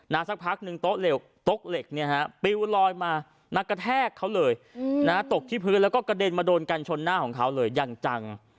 สักพักหนึ่งโต๊ะเหล็กโต๊ะเหล็กเนี่ยฮะปิวลอยมานักกระแทกเขาเลยนะตกที่พื้นแล้วก็กระเด็นมาโดนกันชนหน้าของเขาเลยอย่างจัง